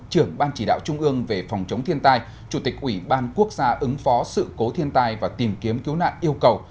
trưởng ban chỉ đạo trung ương về phòng chống thiên tai chủ tịch ủy ban quốc gia ứng phó sự cố thiên tai và tìm kiếm cứu nạn yêu cầu